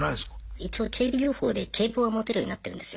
一応警備業法で警棒は持てるようになってるんですよ。